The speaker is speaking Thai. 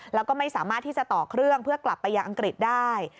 แล้วก็ไม่สามารถที่จะต่อเครื่องเพื่อกลับไปยังอังกฤษได้